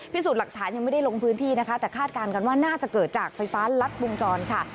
พิสูจน์หลักฐานยังไม่ได้ลงพื้นที่นะคะแต่คาดการณ์กันว่าน่าจะเกิดจากไฟฟ้ารัดวงจรค่ะ